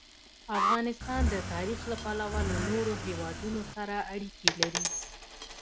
افغانستان د تاریخ له پلوه له نورو هېوادونو سره اړیکې لري.